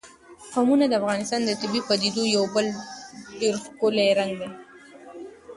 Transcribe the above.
قومونه د افغانستان د طبیعي پدیدو یو بل ډېر ښکلی رنګ دی.